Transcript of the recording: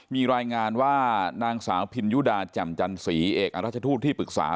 มีรายงานว่านางสาวพินยุดาแจ่มจันสีเอกอรัชทูตที่ปรึกษา